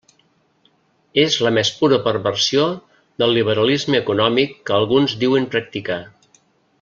És la més pura perversió del liberalisme econòmic que alguns diuen practicar.